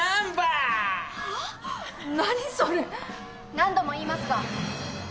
・何度も言いますが！